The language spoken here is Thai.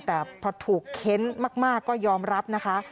แต่พอถูกเค้นมากก็ยอมรับนะคะ